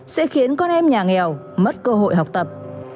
sẽ khiến con em nhà nghèo mất cơ hội học tập